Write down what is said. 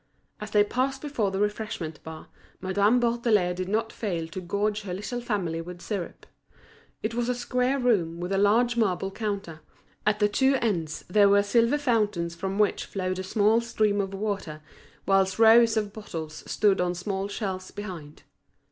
As they passed before the refreshment bar, Madame Bourdelais did not fail to gorge her little family with syrup. It was a square room with a large marble counter; at the two ends there were silvered fountains from which flowed a small stream of water; whilst rows of bottles stood on small shelves behind.